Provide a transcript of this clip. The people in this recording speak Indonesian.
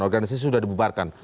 organisasi sudah dibubarkan